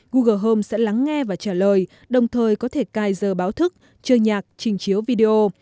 google home sẽ lắng nghe và trả lời đồng thời có thể cài giờ báo thức chơi nhạc trình chiếu video